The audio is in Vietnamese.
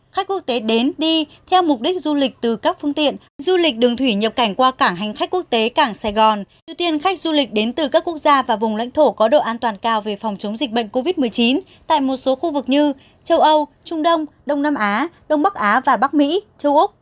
khách quốc tế đến đi theo mục đích du lịch từ các phương tiện du lịch đường thủy nhập cảnh qua cảng hành khách quốc tế cảng sài gòn ưu tiên khách du lịch đến từ các quốc gia và vùng lãnh thổ có độ an toàn cao về phòng chống dịch bệnh covid một mươi chín tại một số khu vực như châu âu trung đông đông nam á đông bắc á và bắc mỹ châu úc